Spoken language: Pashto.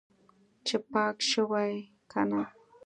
چې پاک شوی که نه.